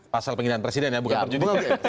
pasal penghinaan presiden ya bukan perjudian